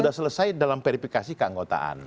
sudah selesai dalam verifikasi keanggotaan